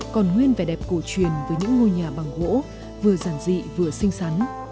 còn nguyên vẻ đẹp cổ truyền với những ngôi nhà bằng gỗ vừa giản dị vừa xinh xắn